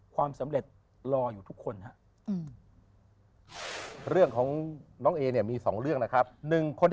ความสำเร็จรออยู่ทุกคน